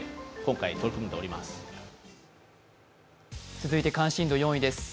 続いて関心度４位です。